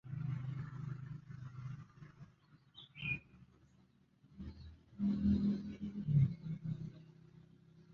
Lakini imekuwa ni kitu chenye mvutano